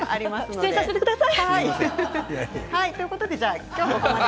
出演させてください。